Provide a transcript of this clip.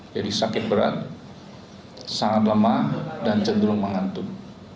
jadi sakit berat sangat lemah dan cenderung mengantuk